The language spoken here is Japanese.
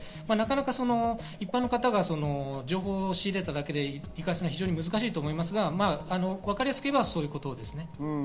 なかなか一般の方が情報を仕入れただけで理解するのは非常に難しいと思いますが、わかりやすく言えばそういうことです。